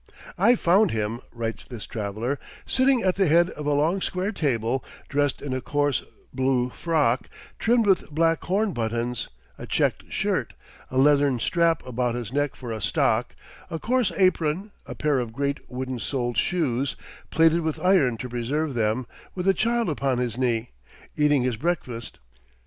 "I found him," writes this traveler, "sitting at the head of a long square table, dressed in a coarse blue frock, trimmed with black horn buttons, a checked shirt, a leathern strap about his neck for a stock, a coarse apron, a pair of great wooden soled shoes, plated with iron to preserve them, with a child upon his knee, eating his breakfast.